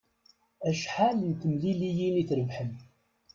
Acḥal n temliliyin i trebḥem?